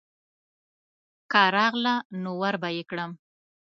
که راغله نو وربه یې کړم.